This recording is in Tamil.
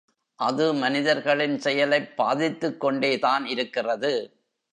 அது மனிதர்களின் செயலைப் பாதித்துக் கொண்டே தான் இருக்கிறது.